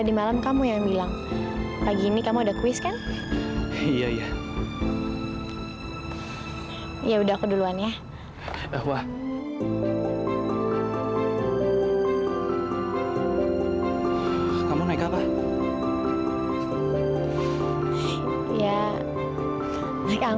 sampai jumpa di video selanjutnya